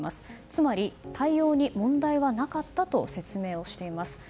つまり対応に問題はなかったと説明をしています。